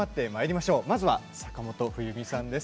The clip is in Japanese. まずは坂本冬美さんです。